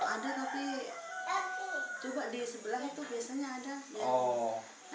ada tapi coba di sebelah itu biasanya ada